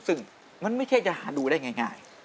ซึ่งมันไม่ใช่จะหาดูได้ง่าย